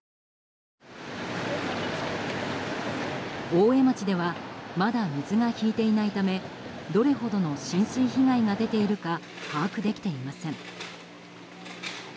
大江町ではまだ水が引いていないためどれほどの浸水被害が出ているか把握できていません。